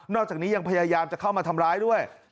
จากนี้ยังพยายามจะเข้ามาทำร้ายด้วย